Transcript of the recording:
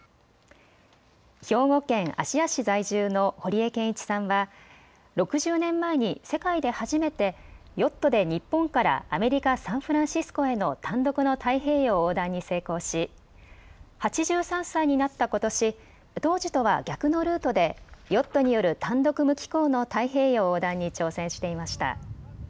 兵庫県芦屋市在住の堀江謙一さんは６０年前に世界で初めてヨットで日本からアメリカ・サンフランシスコへの単独の太平洋横断に成功し８３歳になったことし、当時とは逆のルートでヨットによる単独無寄港の太平洋横断に挑戦していました。